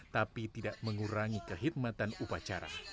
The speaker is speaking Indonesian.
tapi tidak mengurangi kehidmatan upacara